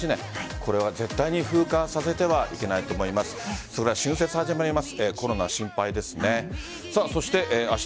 これは、絶対に風化させてはいけないと思います。